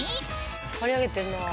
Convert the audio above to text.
刈り上げてんなあ。